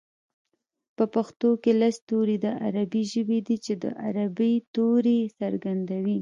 په پښتو کې لس توري د عربۍ ژبې دي چې د عربۍ توري څرګندوي